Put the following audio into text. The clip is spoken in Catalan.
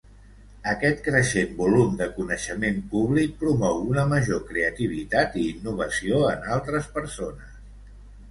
Aquest creixent volum de coneixement públic promou una major creativitat i innovació en altres persones.